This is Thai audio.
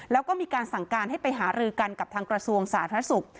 แล้วก็มีการสั่งการให้ไปหารือกันกับทางกระทรวงสาธารณสุข